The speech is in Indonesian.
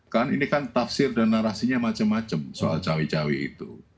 karena ini kan tafsir dan narasinya macam macam soal cawe cawe itu